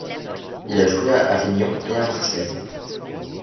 Il a joué à Avignon et à Marseille.